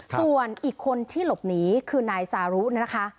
ส่วนอีกคนที่หลบหนีคือนายสารุเนี่ยนะคะ